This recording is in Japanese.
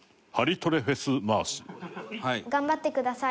頑張ってください。